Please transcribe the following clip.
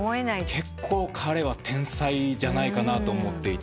結構彼は天才じゃないかと思っていて。